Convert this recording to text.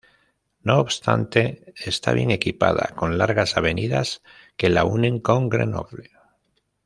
No obstante, está bien equipada, con largas avenidas que la unen con Grenoble.